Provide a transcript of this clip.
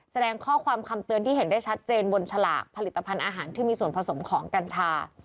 แสดงข้อความคำเตือนที่เห็นได้ชัดเจนบนฉลากผลิตภัณฑ์อาหารที่มีส่วนผสมของกัญชา